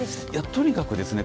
とにかくですね